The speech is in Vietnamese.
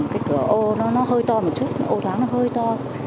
cái cửa ô nó hơi to một chút o thoáng nó hơi to